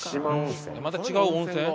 また違う温泉？